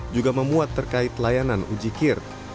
juga memuat terkait layanan uji kir